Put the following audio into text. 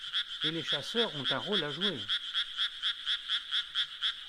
Et les chasseurs ont un rôle à jouer.